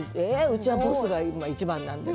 うちはボスが一番なんで。